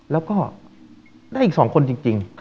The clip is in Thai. แล้วก็ได้อีก๒คนจริง